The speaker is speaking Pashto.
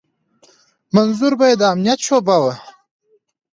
منظور به يې د امنيت شعبه وه.